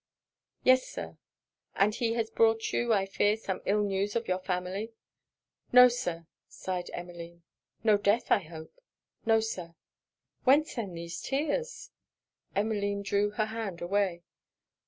'Yes, Sir.' 'And he has brought you, I fear, some ill news of your family?' 'No, Sir,' sighed Emmeline. 'No death, I hope?' 'No, Sir.' 'Whence then, these tears?' Emmeline drew her hand away.